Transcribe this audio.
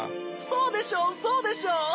そうでしょうそうでしょう。